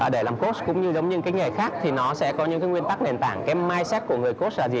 để làm coach cũng như những nghề khác thì nó sẽ có những nguyên tắc nền tảng cái mindset của người coach là gì